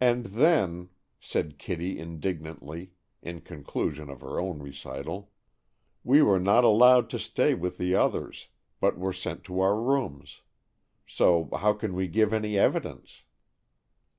"And then," said Kitty indignantly, in conclusion of her own recital, "we were not allowed to stay with the others, but were sent to our rooms. So how can we give any evidence?"